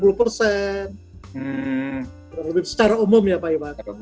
kurang lebih secara umum ya pak iwan